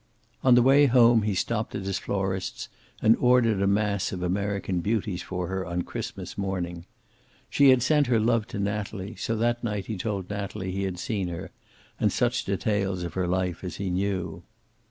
On the way home he stopped at his florist's, and ordered a mass of American beauties for her on Christmas morning. She had sent her love to Natalie, so that night he told Natalie he had seen her, and such details of her life as he knew.